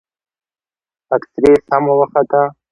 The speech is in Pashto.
اكسرې سمه وخته.